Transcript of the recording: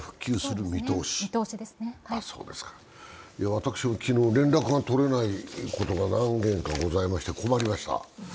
私も昨日、連絡が取れないことが何件かございまして、困りました。